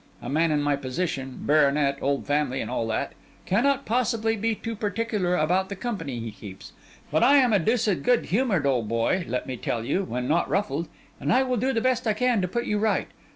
A man in my position—baronet, old family, and all that—cannot possibly be too particular about the company he keeps. But I am a deuced good humoured old boy, let me tell you, when not ruffled; and I will do the best I can to put you right.